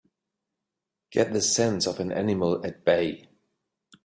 Get the sense of an animal at bay!